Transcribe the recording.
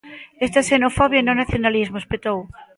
Isto é xenofobia e non nacionalismo, espetou.